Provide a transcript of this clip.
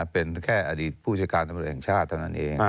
เป็นแค่อดีตผู้จัดการตำรวจแห่งชาติเท่านั้นเอง